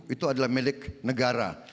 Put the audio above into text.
itu adalah milik negara